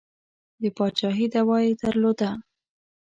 د پاچهي دعوه یې درلوده.